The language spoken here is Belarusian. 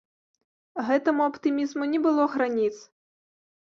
Гэтаму аптымізму не было граніц.